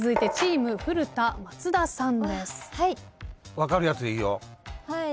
分かるやつでいいよ。